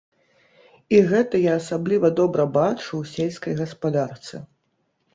І гэта я асабліва добра бачу ў сельскай гаспадарцы.